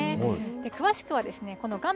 詳しくはこの画面